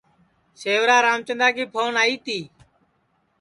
سیورا رامچندا کی پھون آئی تی